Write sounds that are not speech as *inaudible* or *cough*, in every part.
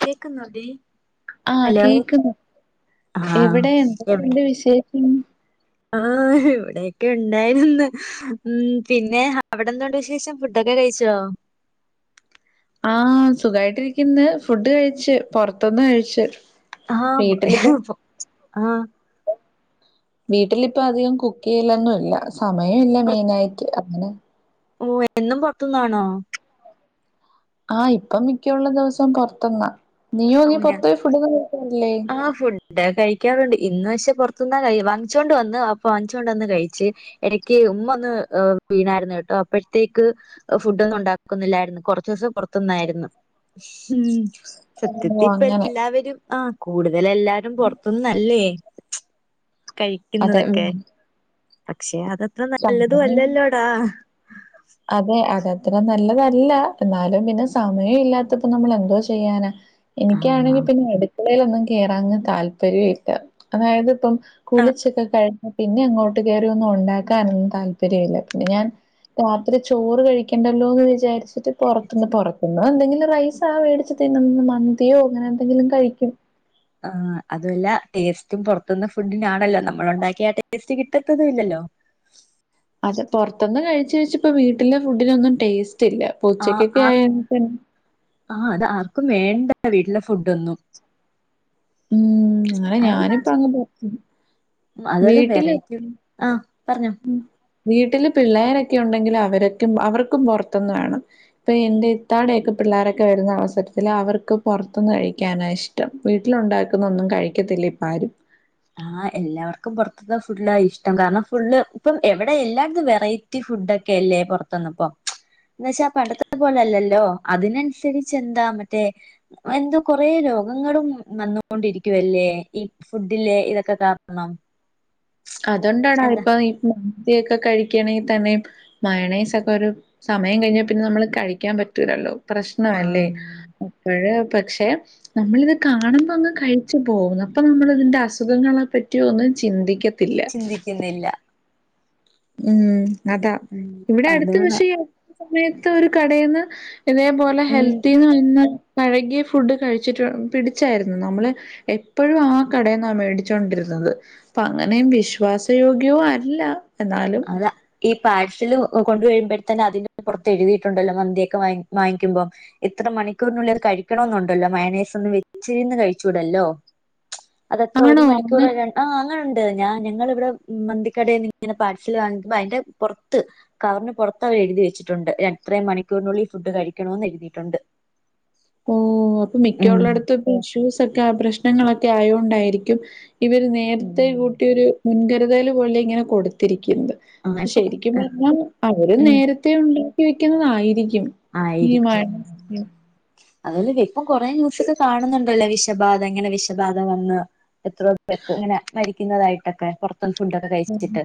കേക്കുന്നുടി ആഹ് ഹലോ കേക്കുന്നു ആഹ് എവിടെ എന്തൊക്കെണ്ട് വിശേഷം ആ ഇവിടെയൊക്കെ ഉണ്ടായിരുന്നു ഉം പിന്നെ അവിടെന്നുണ്ട് വിശേഷം ഫുഡൊക്കെ കഴിച്ചോ ആഹ് സുഖായിട്ടിരിക്ക്ന്ന് ഫുഡ് കഴിച്ചു പൊറത്ത്ന്ന് കഴിച്ച് ആഹ് വീട്ടിലിപ്പം ആഹ് വീട്ടിലിപ്പം അധികം കുക്ക് ചെയ്യലൊന്നുല്ല സമയം ഇല്ല പുറ മെയിനായിട്ട് അങ്ങനെ ഓ എന്നും പൊർത്ത്ന്നാണോ ആഹ് ഇപ്പം മിക്കുള്ള ദിവസം പൊറത്തുന്നാ നീയോ ഓ നീ ഞാൻ പുറത്തു പോയി ഫുഡൊന്നും കഴിക്കാറില്ലേ ആഹ് ഫുഡ് കഴിക്കാറുണ്ട് ഇന്ന് പക്ഷേ പുറത്തുന്ന കഴി വാങ്ങിച്ചോണ്ട് വന്ന് വാപ്പ വാങ്ങിച്ചോണ്ട് വന്ന് കഴിച്ച് ഇടക്ക് ഉമ്മ ഒന്ന് വീണായിരുന്നു കേട്ടോ അപ്പോഴത്തേക്ക് ഫുഡ് ഒന്നും ഉണ്ടാക്കുന്നില്ലായിരുന്നു കൊറച്ചൂസം പൊറ ത്ത്ന്നായിരുന്നു സത്യത്തി ഓഹ് ഇപ്പ അങ്ങനെ എല്ലാവരും ആ കൂടു വല് എല്ലാരും പൊറത്തുന്നല്ലേ അതെ കഴിക്കുന്നതൊക്കെ ഉം പക്ഷെ അത്ര നല്ലതും സമയം അല്ലല്ലോടാ അത്ര നല്ലതല്ല എന്നാലും പിന്നെ സമയം ഇല്ലാത്തപ്പോ നമ്മൾ എന്തോ ചെയ്യാനാ ആഹ് എനിക്കാണെങ്കിൽ പിന്നെ അടുക്കളയിലൊന്നും കയറാങ്ങ് താല്പര്യം ഇല്ല അതായത് ഇപ്പം ആഹ് കുളിച്ചൊക്കെ കഴിഞ്ഞ പിന്നെ അങ്ങോട്ട് കയറിയൊന്നും ഉണ്ടാക്കാനൊന്നും താല്പര്യമില്ല പിന്നെ ഞാൻ രാത്രി ചോറ് കഴിക്കണ്ടല്ലോ എന്ന് വിചാരിച്ചിട്ട് പുറത്തുന്ന് പുറത്തുന്നു എന്തെങ്കിലും റൈസ ആ മേടിച്ച ന്ന് മന്തിയോ അങ്ങനെ എന്തെങ്കിലും കഴിക്കും ആഹ് അതുമല്ല ടേസ്റ്റും പൊറത്തന്ന് ഫുഡിനാണല്ലോ നമ്മൾ ഉണ്ടാക്കി ആ ടേസ്റ്റ് കിട്ടത്തതും ഇല്ലല്ലോ അതെ പുൊറത്തൊന്ന്ും കഴിച്ചു വെച്ചപ്പപ്പോ വീട്ടിലെ ഫുഡിന ഒന്നും ടേസ്റ്റ് ില്ല പ ആഹ് ഉച്ചക്കൊക്കെ ആഹ് ആയന്നെ എന്റെ വീട്ടിലെ ഫുഡൊന്നും ഉം എന്നാലെ ഞാനിപ്പ അങ് പോ ഉ അതല്ലെ വേററ്റ ആഹ പറഞ്ഞു വീട്ടില് പിള്ളേരൊക്കെ ഉണ്ടെങ്കിൽ അവരക്കും അവർക്കും പുറത്തൊന്ന് വേണം ഇപ്പൊ എന്റെ ഇത്താടെൊക്കെ പിള്ളോരൊക്കെ വരുന്ന അവസരത്തിൽ അവർക്ക് പുറത്തുനിന്ന് കഴിക്കാനാണ് ഇഷ്ടം വീട്ടിലുണ്ടാക്കുന്ന ഒന്നും കഴിക്കത്തി െ പരും ആഹ എല്ലാവർക്കും പുറത്തത്തെ ഫുഡ ഇഷ്ടം കാരണം ഫുഡള് ഇപ്പം എവിടെ എല്ലായിടത്തും വെറൈറ്റി ഫുഡ ഒക്കെ അല്ലേ പുറത്തുന്ന ഇപ്പോ എന്ന വെച്ചാ പണ്ടത്തെ പോലെല്ലല്ലോ അതിനനുസരിച്ച് എന്താ മറ്റേ എന്തോ കൊറല്ലോ രോഗങ്ങളും വന്നുകൊണ്ടിരിക്കുവല്ലേ ഈ ഫുഡിലെ ഇതൊക്കെ കാരണം അതൊണ്ടാണാ എന്താ ഇപ്പൊ ദ്യൊക്കെ കഴിക്കണെങ്കിൽ തന്നെയും മയണൈസ ഒക്കെ ഒരു സമയം കഴിഞ്ഞാൽ പിന്നെ നമ്മള് കഴിക്കാൻ പറ്റൂല്ലല്ലോ പ്രശ്നല്ലേ ആഹ് അപ്പഴ പക്ഷെ നമ്മളിത് കാണുമ്പോ അങ്ങ് കഴിച്ചു പോകുന്നു അപ്പൊ നമ്മള ഇതിന്റെ അസുഖങ്ങളെ പറ്റിയ ഒന്ന് ചിന്തിക്ക ചിന്തിക്കുന്നില്ല ഉം അതാ ഉം ഇവിടെ അടുത്ത അതാണ് കഷ സമയത്ത് ഒരു കടയിൽന്ന് ഇതേപോലെ ഉം ഹെൽത്തിന്ന് വന്ന് കഴകിയ ഫുഡ് കഴിച്ചിട്ട് പിടിച്ചായിരുന്നു നമ്മള് എപ്പോഴും ആ കടന്നാണ് മേടിച്ചുകോണ്ടിരുന്നത് അപ്പൊ അങ്ങനെയും വിശ്വാസയോഗ്യവും അല്ല എന്നാലും അതാ ഈ പാഴഷില് കൊണ്ട കഴുമ്പോഴത്തന്നെ അതി പുറത്ത് എഴുതിയിട്ടുണ്ടല്ലോ മന്ിയൊക്കെ വാ വാങ്ങുമ്പം ഇത്ര മണിക്കൂറിനുള്ള കഴ വിക്കണന്നുണ്ടല്ലോ മയനേസ് ഒന്ന് വച്ചിരിന്ന് കഴിച്ചൂടല്ലോ അതത്ര ഒരു ആണോ മണിക്കൂർ ര ആ അങ്ങനെണ്ട് ഞാൻ ഞങ്ങ ഇവിടെ മന്തിക്കടയിൽ നിന്ന് ഇങ്ങനെ പാ വാ്പ അതിന്റെ പുറത്ത് കറിന് പുറത്ത് അവ എഴുതി വച്ചിട്ടുണ്ട് എത്ര മണിക്കൂറിനുള്ളിൽ ഫുഡ് കഴിക്കും ണന്ന് എഴുതിയിട്ടുണ്ട് ഓ അപ്പൊ മിക്ക ഉം ഉുള്ളെട്ത്തും ഇപ്പോ ഇഷ്യൂസ് ഒക്കെ പ്രശ്നങ്ങളൊക്കെ ആയോണ്ടായിരിക്കും ഇവര് ഉം നേരത്തെ കൂട്ടി ഒരു മുൻകരുതല് പോലെ ഇങ്ങനെ കൊടുത്തിരി ക്ക്ന്നത് ആഹ് ഇപ്പൊ കു- ശരിക്കും പറഞ്ഞാൽ അവര് ഉം നേരത്തെ ഉണ്ടാക്കി വെക്കുന്നതായിരിക്കും ക്കും ഈ *unintelligible* അതല്ലെപ്പെ ഇപ്പം കുറേ ന്യൂസൊക്കെ കാണുന്നുണ്ടല്ലേ വിഷബാധ എങ്ങനെ വിഷബാധ വന്ന് എത്രയോ പേർക്ക് ഇങ്ങനെ മരിക്കുന്നതായിട്ടൊക്കെ *unintelligible* കഴിച്ചിട്ട്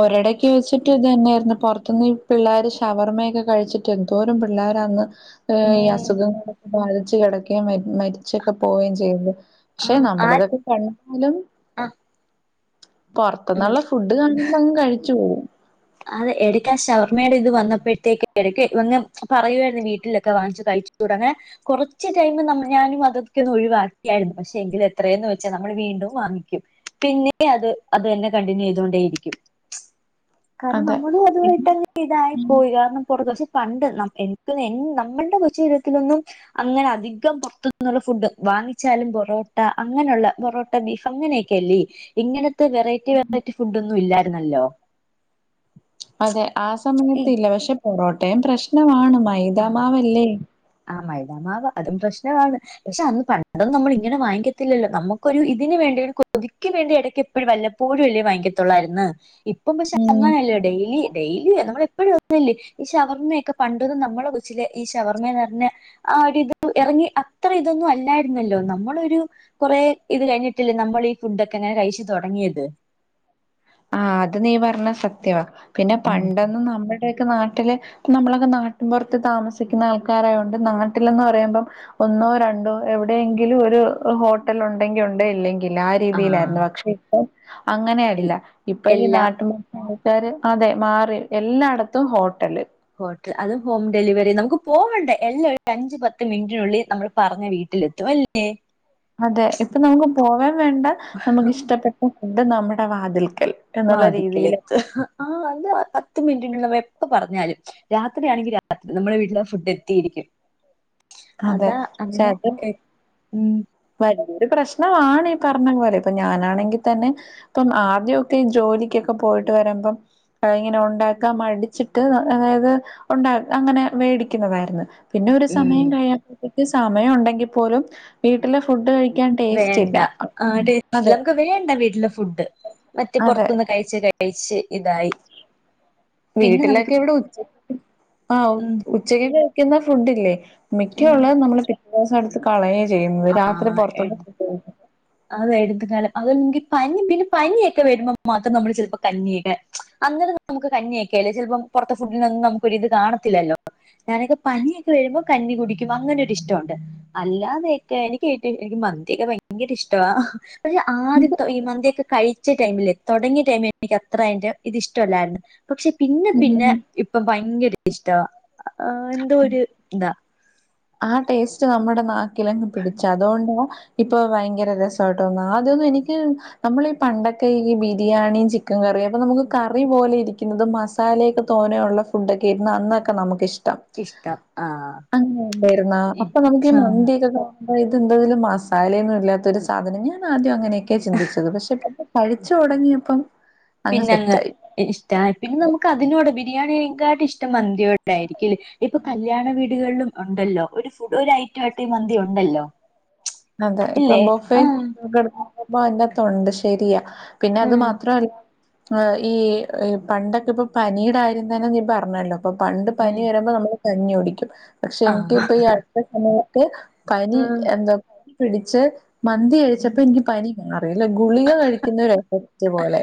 ഒരിടക്ക് വെച്ചിട്ട് ഇതെന്നേയ്ര് ഇന്ന് പൊറ്ത്തിന്ന് ഈ പിള്ളേർ ഷവർമ്മയൊക്കെ കഴിച്ചിട്ട് എന്തോരം പിള്ളേരാന്ന് ഈ അസുഖങ്ങളൊക്കെ ബാധിച്ച് കിടക്കേം മരിച്ചൊക്കെ പോവുകയും ചെയ്തു പക്ഷെ ആഹ് ആ നമ്മളിതൊക്കെ കണ്ടാലും ആഹ് ഉം പൊറ്ത്ത്ന്നുള്ള ഫുഡ് കാണുമ്പം കഴിച്ചു പോകും അതെ എടക്കാ ശവർമ്മേടെ ഇത് വന്നപ്പോഴത്തേക്ക് എടക്ക് *unintelligible* പറയുവായിരുന്നു വീട്ടിലൊക്കെ വാങ്ങിച്ചു കഴി തുടങ്ങാൻ കുറച്ച് ടൈം നമ്മ ഞാനും അതൊക്കെ ഒന്ന് ഒഴിവാക്കിയായിരുന്നു പക്ഷെ എങ്കിലും എത്രേന്ന് വെച്ചാ നമ്മൾ വീണ്ടും വാങ്ങിക്കും പിന്നെ അത് അത് തന്നെ കണ്ടിന്യൂ ചെയ്തോണ്ടേയിരിക്കും കാരണം അതെ. നമ്മളും അതുവായിട്ടങ്ങ് ഇതായി പോയി കാരണം പൊറത്ത് പണ്ട് നം എനിക്ക് എൻ നമ്മള്ടെ കൊച്ചീരത്തിലൊന്നും അങ്ങനെ അധികം പൊറ്ത്തുന്നള്ള ഫുഡ് വാങ്ങിച്ചാലും പൊറോട്ട അങ്ങനെയുള്ള പൊറോട്ട ബീഫ് അങ്ങനെയൊക്കെല്ലേ ഇങ്ങനത്തെ ത്തെ വെറൈറ്റി വെറൈറ്റി ഫുഡൊന്നും ഇല്ലായിരുന്നല്ലോ അതെ ആ ഏ സമയത്തില്ല പക്ഷെ പൊറോട്ടയും പ്രശ്നമാണ് മ മൈതാമാവല്ലേ. മൈതാമാവ് അതും പ്രശ്നമാണ് പക്ഷെ അന്ന് പണ്ടൊന്നും നമ്മൾ ഇങ്ങനെ വാങ്ങിക്കത്തിലല്ലോ നമുക്കൊരു ഇതിന് വേണ്ടിയൊരു കൊതിക്ക് വേണ്ടി എടയ്ക്ക് എപ്പോഴും വല്ലപ്പോഴും അല്ലെ വാങ്ങിക്കത്തൊള്ളായിര്ന്നു ഇപ്പം പക്ഷേ ഉം. അങ്ങനെല്ലേ ഡെയിലി ഡെയിലി നമ്മള് എപ്പോഴും *unintelligible* ഈ ഷവർമയൊക്കെ പണ്ടത് നമ്മൾ മ്മളെ കൊച്ചിലെ ഈ ശവർമേന്ന് പർഞ്ഞാ ആരിത് ഇറങ്ങി അത്ര ഇതൊന്നും അല്ലായിരുന്നല്ലോ നമ്മള്ളൊരു കൊറേ ഇത് കഴിഞ്ഞിട്ടില്ലേ നമ്മൾ ഈ ഫുഡൊക്കെ ഇങ്ങനെ കഴിച്ചു തുടങ്ങിയത്. ആ അത് നീ പറഞ്ഞ സത്യവാ പിന്നെ ഉം പണ്ടൊന്നും നമ്മൾ മ്മളെ നാട്ടില് നമ്മളൊക്കെ നാട്ടിൻപൊറത്ത് താമസിക്കുന്ന ആൾക്കാരായൊണ്ട് നാട്ടിലെന്നു പറയുമ്പം ഒന്നോ രണ്ടോ എവിടെയെങ്കിലും ഒരു ഹോട്ടൽ ഉണ്ടെങ്കിൽ ഉണ്ടേ ഇല്ലെങ്കിൽ ഇല്ല ആ രീതിയിലായിരുന്നു പക്ഷെ ഇപ്പം എൽ അങ്ങനെയല്ല ഇപ്പ ഈ എല്ലാ നാട്ടു *unintelligible* ആൾക്കാര് അതെ മാറി എല്ലാടത്തും ഹോട്ടല്. ഹോട്ടൽ അതും ഹോം ഡെലിവറി നമുക്ക് പോവണ്ടെ എല്ലാം ഒരു അഞ്ച് പത്ത് മിനിറ്റിനുള്ളിൽ നമ്മൾ പറഞ്ഞ വീട്ടി ട്ടിലെത്തുവല്ലേ. അതെ ഇപ്പൊ നമുക്ക് പോവേം വേണ്ട നമുക്ക് ഇഷ്ടപ്പെട്ട ഫുഡ് നമ്മുടെ വാതിൽക് വാതിക്കലെത്ത ആ അത് പത്ത് മിനിറ്റിനുള്ള വെ ഇപ്പൊ പറഞ്ഞാലും രാത്രിയാണെങ്കി രാത്രി നമ്മുടെ വീട്ടിലാഫുഡ് എത്തിയിരിക്കും. അതെ അതാ പക്ഷെ അങ്ങനെ അത് എ ഉം വലിയൊരു പ്രശ്നമാണ് ഇ പറഞ്ഞ പോലെ ഇപ്പൊ ഞാനാണെങ്കിൽ തന്നെ ഇപ്പം ആദ്യൊക്കെ ജോ ജോലിക്കൊക്കെ പോയിട്ട് വരുമ്പോ അ ഇങ്ങനെ ഉണ്ടാക്കാം മടിച്ചിട്ട് അതായത് ഉണ്ടാ ങ്ങനെ മേടിക്കുന്നതായിര്ന്ന്. പിന്നെ ഒരു ഉം സമയം കഴിയിമ്പതേക്ക് സമയം ഉണ്ടെങ്കിൽ പോലും വീട്ടിലെ ഫുഡ് കയി വേണ്ട ആ ടേസ്റ്റല്ല നമുക്ക് വേണ്ട വീട്ടിലെ ഫുഡ് മറ്റേ അതെ പുറത്തുന്ന് കഴിച്ച് കഴി കഴിച്ച് ഇതായി. പിന്നെ നമുക്ക് വീട്ടിലൊക്കെ ഇവിടെ ഉച്ച ആ ഓ ഉം ഉച്ചക്ക് കഴിക്കുന്ന ഫുഡ്ല്ലേ മിക്ക ഉം ഉുള്ളത് നമ്മള് പിറ്റേ ദിവസം എട്ത്ത് കളയ ഇന്ന് രാത്രി പുറത്തുന്ന് ഫുഡ്‌ കഴി *unintelligible* അതെ *unintelligible* കാലം അതെങ്കിൽ പനി പിന്നെ പനിയൊക്കെ വരുമ്പോ മാത്രം നമ്മള് ചിലപ്പോൾ കഞ്ഞിയൊക്കെ അന്നേരം നമുക്ക് കഞ്ഞിയൊക്കേയല്ലെ ചിലപ്പം പുറത്തെ ഫുഡിനൊന്നും നമുക്ക് ഒരിത് കാണത്തി ത്തില്ലല്ലോ ഞാനൊക്കെ പനിയൊക്കെ വരുമ്പോ കഞ്ഞി കുടിക്കും അങ്ങനെ ഒരു ഇഷ്ടമുണ്ട് അല്ലാതെ *unintelligible* എനിക്ക് കിട്ട എനിക്ക് മന്തിയൊക്കെ ഭയ്ങ്കര ഇഷ്ടവാ. പക്ഷേ അദ്യട്ടോ ഈ മന്തിയൊക്കെ കഴിച്ച ടൈമില് തൊടങ്ങിയ ടൈമില് എനിക്ക് അത്ര അതിന്റെ ഇത് ഇഷ്ടല്ലായിര്ന്ന്. പക്ഷെ പിന്നെ പിന്നെ ഇപ്പൊ ഭയങ്കര ഇഷ്ടവാ. ആ എന്തോ ഉം ഒരു എന്താ ആ ടേസ്റ്റ് നമ്മുടെ നാക്കിലങ്ങ് പിടിച്ച അതുകൊണ്ടാ ഇപ്പൊ ഭയങ്കര രസമായിട്ട്ന്ന ആദ്യ *unintelligible* എനിക്ക് നമ്മള് പണ്ടൊക്കെ ഇ ബിരിയാണി ചിക്കൻ കറിഴും അപ്പൊ നമുക്ക് കറി പോലെ ഇരിക്കുന്നതും മസാലയ്ക്കെ തോന്നെ ഉള്ള ഫുഡൊക്കെ ര്ന്നു അന്നൊക്കെ നമുക്ക്ിഷ് ഇഷ്ടം ആ. ണ്ടായിരുന്ന അപ്പൊ നമുക്ക് ഈ മന്തി യൊക്കെ *unintelligible* ഇത് എന്തെതിലും *unintelligible* എന്താ ഇതില് മസാലയൊന്നും ഇല്ലാത്തൊരു സാധനം ഞാൻ ആദ്യം അങ്ങനെയൊക്കെ ചിന്തിച്ചത് കഴിച്ചു തുടങ്ങിയപ്പം അങ്ങ് പിന്നങ്ങ് സെറ്റായി ഇഷ്ട പിന്നെ നമുക്ക് അതിനോട് ബിരിയാണി കാട്ടി ഇഷ്ടം മന്തിയോടെ ആയിരിക്ക ഇപ്പൊ കല്യാണ വീടുകളിലും ഉണ്ടല്ലോ ഒരു ഫുഡ് ഒരു ഐറ്റാട്ട മന്തി ഉണ്ടല്ലോ. അതെ ഇപ്പൊ ഇല്ലേ ആഹ് ബൊഫുമ്പോ *unintelligible* ശെരിയാ പിന്നെ അത് ആഹ് മാത്രല്ല. അ ഈ പണ്ടൊക്കെ ഇപ്പൊ പനിടെ അര്യം തന്നെ നീ പറഞ്ഞല്ലോ അപ്പൊ പണ്ട് ഉം പനി വരുമ്പോ നമ്മള് കഞ്ഞി കുടിക്കും പക്ഷെ എനിക്ക് ആഹ് ഇപ്പൊ ഈ അടുത്ത സമയത്ത് പനി ആഹ് എന്തൊക്ക പിടിച്ച് മന്തി കഴിച്ചപ്പോ എനിക്ക് പനി അറീയി ല്ല ഗുളിക കഴിക്കുന്നോര എഫക്റ്റ് പോലെ.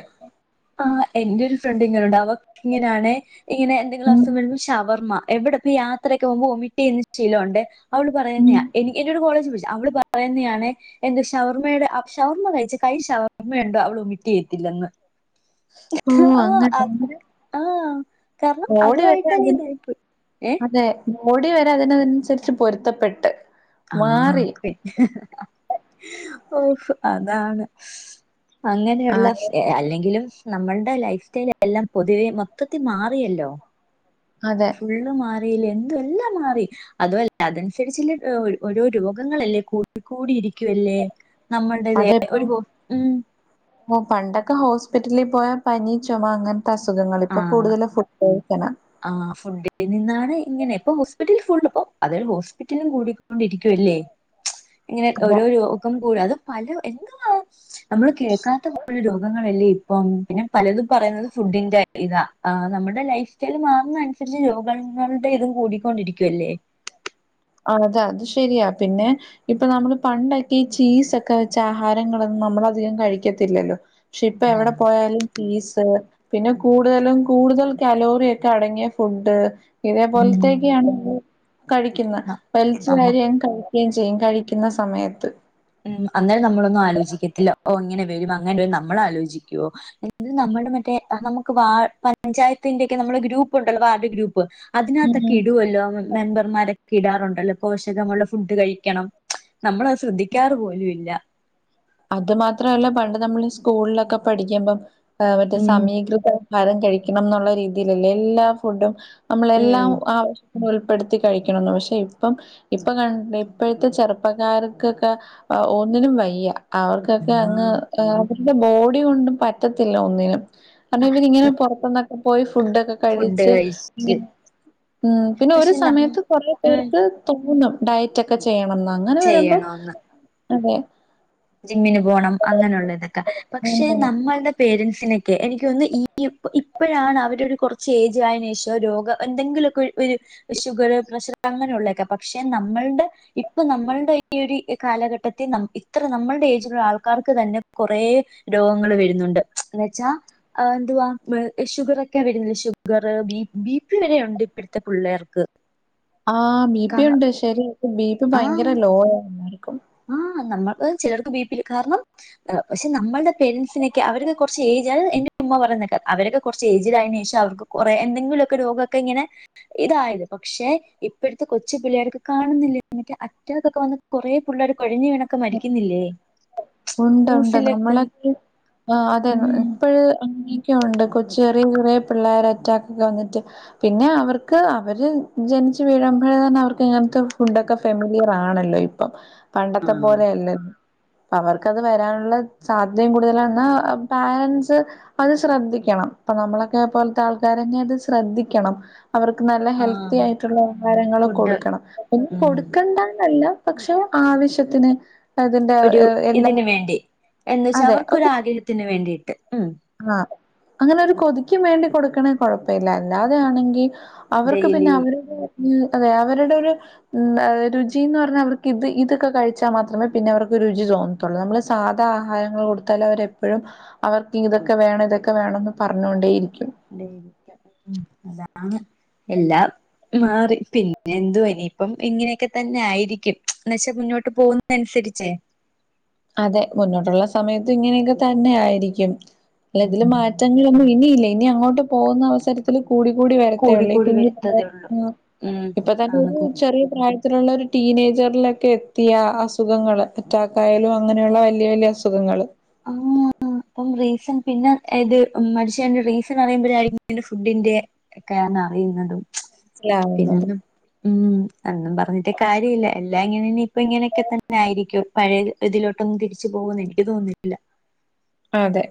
ആ എന്റെരു ഒരു ഫ്രണ്ട് ഇങ്ങനെുണ്ട് അവക്ക് ഇങ്ങനാണേ ങ്ങനെ എന്തെങ്കിലും ഉം അസുഗം വരുമ്പോൾ ഷവർമ്മ. എവിടെപ്പ യാത്രയൊക്കെ പോവുമ്പോ ഒമിറ്റെയ്യുന്ന ശീലോണ്ട്. അവള് ഉം പറയുന്നെയാ എനി എന്റൊട കോളേജി പ ടി അവിള് പറയുന്നെയാണെ എന്ത് ഷവർമ്മയുടെ ഷവർമ്മ കഴിച്ച കൈ ഷവർമ്മയണ്ടോ അവളൊമിറ്റെയ്യത്തില്ലെന്ന്. ഓ ആഹ് അ ആഹ് കാരണം ഓടി വെച്ച അതുമായിട്ടങ്ങ് അതി ഇതായി പോയി ഏഹ് അതെ. മുടി വരെ അതിനനുസരിച്ച് പൊരുത്തപ്പെട്ട്. ആഹ് മാറി പിന്നെ ഓ അതാണ്. അങ്ങനെയുള്ള അതെ അല്ലെങ്കിലും നമ്മളുടെ ലൈഫ് സ്റ്റൈൽ എല്ലാം പൊതുവെ മൊത്തത്തി മാറിയല്ലോ. അതെ ഫുള്ള് മാറി. എന്തുവാ എല്ലാം മാറി അതുവല്ല അതനുസരിച്ചല്ലേ ഓരോ രോഗങ്ങളല്ലേ കൂ കൂടി ഇരി ക്കുവല്ലേ നമ്മള്ടെത് അതെപ്പം ഒരു ഉം. ഹോസ്പിറ്റലി പോയാ പനി ചുമ അങ്ങനെ ആ ആ ഫുഡിനിന്നാണ് ഇങ്ങനെ ഇപ്പൊ ഹോസ്പിറ്റലി ഇപ്പോ അതരു ഹോസ്പിറ്റലും കൂടിക്കൊണ്ടിരിക്കുവല്ലേ ഇങ്ങനെ അതെ ഓരോ രോഗം കൂടഅതും പല എന്വാ നമ്മള് കേക്കാത്ത രോഗങ്ങളല്ലേ ഇപ്പം. പിന്നെ പലതും പറയുന്നത് ഫുഡിന്റെ ഇതാ ആ നമ്മുടെ ലൈഫ് സ്റ്റൈൽ മാറുന്ന അനുസരിച്ച് രോഗങ്ങളുടെ ഇതും കൂടിക്കൊണ്ടിരിക്കുവല്ലേ. അ *unintelligible* അതെ അത് ശരിയാ പിന്നെ ഇപ്പൊ നമ്മള് പണ്ടൊക്കെ ഈ ചീസ് ഒക്കെ വെച്ച ആഹാരങ്ങളന്നും നമ്മള് ധികം കഴിക്കത്തില്ലല്ലോ ക്ഷെ ഇപ്പ ആഹ് എവിടെ പോയാലും ചീസ് പിന്നെ കൂടുതലും കൂടുതൽ കലോറി ഒക്കെ അടങ്ങിയ ഫുഡ് ഇതേ ഉം പോലെത്തേക്കാണ് കഴിക്കുന്ന. ന വലിച്ച് നമുക്ക് വാരിയങ് ക യും ചെയ്യും കഴിക്കുന്ന സമയത്ത് ഉം അന്നേരം നമ്മളൊന്നും ആലോചിക്കത്തില്ല ഓ ഇങ്ങനെ വരും അങ്ങനെ നമ്മൾ ആലോചിക്കുവോ മറ്റേ നമുക്ക് വാ പഞ്ചായത്തിന്റെക്കെ നമ്മുടെ ഗ്രൂപ്പുണ്ടല്ലോ വാർഡ് ഗ്രൂപ്പ് ഉം അതിനകത്തൊക്കെ ഇടുവല്ലോ മെമ്പർമാരൊ ഇടാറുണ്ടല്ലോ പോഷകമുള്ള ഫുഡ് കഴിക്കണം നമ്മളത് ശ്രദ്ധിക്കാറ് പോലും ഇല്ല. അത് മാത്രല്ല പണ്ട് നമ്മള് സ്കൂളിലൊക്കെ പഠിക്കുമ്പം മറ്റേ ഉം സമീകൃത ആഹാരം കഴിക്കണംന്നുള്ള രീതിയിലല്ലേ എല്ലാ ഫുഡും നമ്മളെല്ലാം ഉം ആവ ഉൾപ്പെടുത്തി കഴിക്കണം പക്ഷെ ഇപ്പം ഇപ്പൊ ക ഇപ്പോഴത്തെ ചെറുപ്പക്കാർക്കൊക്കെ ആ ഒന്നിനും വയ്യ. അവർക്കൊക്കെ അങ്ങ് ആ അവരുടെ ബോഡി കൊണ്ടും പറ്റത്തില്ല ഒന്നിനും. കാരണം ഇവരിങ്ങനെ പുറത്തുന്നൊക്കെ പോയി ഫുഡൊക്കെ ഫുഡ് കഴിച്ച് കഴിച്ച് ഉം പിന്നെ ഒരു പക്ഷെ നം സമയത്ത് കൊറെ ഉം പേർക്ക് തോന്നും ഡയറ്റ് ഒക്കെ ചെയ്യണംന്ന് അങ്ങനെ വരുമ്പം ചെയ്യണോന്ന് അതെ ജിമ്മിന് പോണം അങ്ങനെയുള്ളതൊക്കെ പക്ഷെ നമ്മൾടെ പേരൻസ് സിനക്കെ എനിക്കൊന്ന് ഈ ഇപ്പോഴാണ് അവരൊരു കുറച്ച് ഏജ് ആയെനെഷം രോഗ എന്തെങ്കിലുക്കെ ഒരു ഷുഗറ് പ്രഷർ അങ്ങനെള്ളക്കെ പക്ഷെ നമ്മള്ടെ ഇപ്പ നമ്മളുടെ *unintelligible* കാലഘട്ടത്തി ന *unintelligible* അത്ര നമ്മൾടെ ഏജിലുള്ള ആൾക്കാർക്ക് തന്നെ കുറേ രോഗങ്ങൾ വരുന്നുണ്ട് എന്ന് വെച്ചാ *unintelligible* ആഹ് ബിപി ഉണ്ട്. ശരി ക്കും ബി പി ആ ഭയങ്കര ലോ ആ എല്ലാർക്കും. ആ നമ്മ ചിലർക്ക് ബി പി കാരണം പക്ഷെ നമ്മൾടെ പേരൻറ്സിനൊക്കെ അവർക്ക കുറച്ച് ഏജ് ആ എ ഉമ്മ പറയ്ന്നെ അവരൊക്കെ കുറച്ച് ഏജിലായനു ശേഷം അവർക്ക് കുറെേ എന്തെങ്കിലൊക്കെ രോഗക്കെ ഇങ്ങനെ ഇതായത്. പക്ഷെ ഇപ്പോഴത്തെ കൊച്ചുപള്ളേർക്ക് കാണുന്നില്ല എന്നിട്ട് അറ്റക്കൊക്കെ വന്ന് കുറെ *inaudible* രോക്കെ മരിക്കുന്നില്ലേ. ഉണ്ട് ഉണ്ട് ന്യൂസിലൊക്കെ നമ്മളൊക്കെ ആ അതെ ഉം ഇപ്പഴ് അങ്ങനെയൊക്കെഉണ്ട് കൊച്ച് കു പിള്ളേരെ അറ്റക്ക് ഒക്കെ വന്നിട്ട് പിന്നെ അവർക്ക് അവര് ജനിച്ചു വീഴുമ്പോഴ *inaudible* അവർക്ക് ഇങ്ങനത്തെ ഫുഡോക്കെ ഫെമിലിയർ ആണല്ലോ ഇപ്പം ആ പണ്ടത്തെ പോലെയല്ലല്ല അപ്പ അവർക്ക്ത് വരാനുള്ള സാധ്യതയും കൂടുതല എന്നാ പാരൻസ് അത് ശ്രദ്ധിക്കണം. അപ്പൊ നമ്മളൊക്കെ പോലത്തെ ആൾക്കാരന്നെ അത് ശ്രദ്ധിക്കണം. അവർക്ക് നല്ല ആ ഹെൽത്തി ആയിട്ടുള്ള ആഹാരങ്ങൾ ഫുഡ് കൊടുക്കണം ഒന്നും ഉം കൊടുക്കേണ്ടാന്നല്ല പക്ഷെ ആവശ്യത്തിന് അതിന്റെ എല്ലാം *inaudible* എന്നുവച്ചാ അവർക്കൊരാ ഗ്രഹത്തിന് വേണ്ടിയിട്ട്. ആ അങ്ങനെ ഒരു കൊതിക്കും വേണ്ടി കൊടുക്കണേ കൊഴപ്പ ഇില്ല അല്ലാതെയാണെങ്കിൽ അവർക്ക് പിന്നെ ഡെയിലി അവരുടെ *inaudible* ഉം അതെ അവരുടെ ഇരു ഉം രുചിന്ന് പറഞ്ഞാ അവർക്ക് ഇത് ഇതൊക്കെ കഴിച്ച ച്ചാൽ മാത്രമേ പിന്നെ അവർക്ക് രുചി തോന്നത്തുള്ളൂ. നമ്മള് സാധാ ആഹാരങ്ങൾ കൊടുത്താൽ അവരെപ്പഴും അവർക്ക് ക്കെ വേണം ഇതൊക്കെ വേണംന്ന് പറഞ്ഞുകൊണ്ടേ ഇരിക്കും. *unintelligible* എല്ലാം മാറി. പിന്നെ എന്തുവാ ഇനിയിപ്പം ഇങ്ങനെയൊക്കെ തന്നെ ആയിരിക്കും. എന്നുവെച്ചാൽ മുന്നോട്ട് പോകുന്നനുസ രിച്ചേ അതെ, മുന്നോട്ടുള്ള സമയത്തും ഇങ്ങനെയൊക്കെ തന്നെ ആയിരിക്കും. അല്ല ഇതില് ഉം മാറ്റങ്ങളൊന്നും ഇനിയില്ല ഇനി അങ്ങോട്ട് പോകുന്ന അവസരത്തില് കൂടിക്കൂടി കൂടി വരത്തേഉളളൂ. ഈ കൂടി കുഞ്ഞു വരുത്തതേ ഉള്ളൂ *unintelligible* ഉം ഇപ്പൊ തന്നെ ഒരു ആണത് ചെറിയ പ്രായ ത്തിലുള്ള ഒരു ടീനേജറിലൊക്കെ എത്തിയ അസുഖങ്ങള് അറ്റാക്കായാലും അങ്ങനെയുള്ള വലിയ വലിയ അസുഖങ്ങള് *unintelligible* അപ്പം റീസൺ പിന്നെ ഇത് മരിച്ചേന്റെ റീസൺ അറിയുമ്പോഴായിരിക്കും ഫുഡിന്റെ അറിയുന്നതും സിലാവുന്നത്. പിന്നൊന്നും ഉം അന്നും പറഞ്ഞിട്ട് കാര്യമില്ല. എല്ലാം ഇങ്ങനെന്നെ ഇപ്പ ഇങ്ങനെയൊക്കെ തന്നെ ആയിരിക്കും പഴയ ഇതിലോട്ട് *inaudible* പോകുന്നു എനിക്ക് തോന്നിട്ടില്ല അതെ